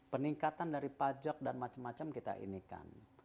peningkatan dari pajak dan macam macam kita inikan